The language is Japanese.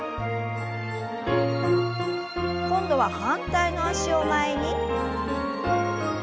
今度は反対の脚を前に。